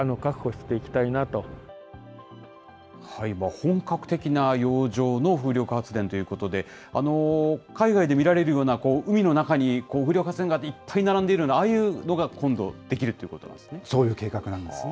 本格的な洋上の風力発電ということで、海外で見られるような、海の中に風力発電がいっぱい並んでいるような、ああいうのが今度、そういう計画なんですね。